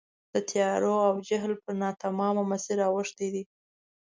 د تیارو او جهل پر ناتمامه مسیر اوښتي دي.